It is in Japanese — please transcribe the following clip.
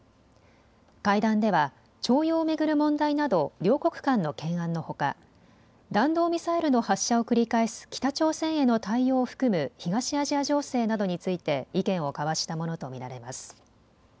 会談では徴用を巡る問題など両国間の懸案のほか、弾道ミサイルの発射を繰り返す北朝鮮への対応を含む東アジア情勢などについて意見を交わしたものと見られます。